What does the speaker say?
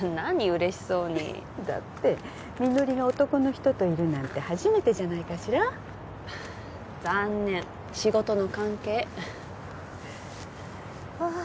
嬉しそうにだって実梨が男の人といるなんて初めてじゃないかしら残念仕事の関係あっ